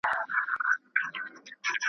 خدای دي په حیا کي را زړه که پر ما ګراني .